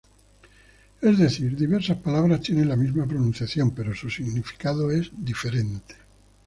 Es decir, diversas palabras tienen la misma pronunciación pero su significado es diferente.